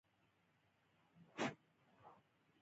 د ټکټ باندې د رابرټ موګابي نوم لیکل شوی و.